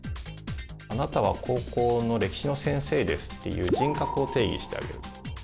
「あなたは高校の歴史の先生です」っていう人格を定義してあげる。